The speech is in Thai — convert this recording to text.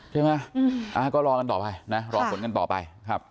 ใช่ไหมก็รอกันต่อไปนะรอผลกันต่อไป